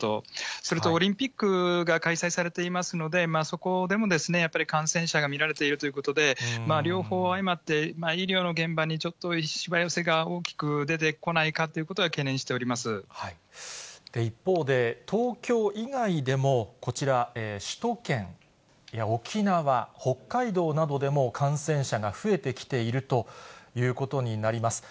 それとオリンピックが開催されていますので、そこでもやっぱり感染者が見られているということで、両方相まって、医療の現場にちょっとしわ寄せが大きく出てこないかということを一方で、東京以外でもこちら、首都圏や沖縄、北海道などでも、感染者が増えてきているということになります。